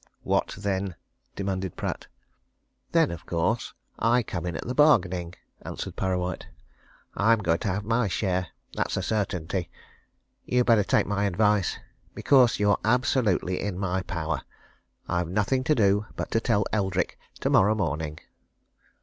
"What then!" demanded Pratt. "Then, of course, I come in at the bargaining," answered Parrawhite. "I'm going to have my share. That's a certainty. You'd better take my advice. Because you're absolutely in my power. I've nothing to do but to tell Eldrick tomorrow morning."